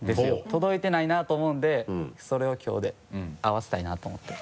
届いてないなと思うんでそれをきょうで合わせたいなと思って。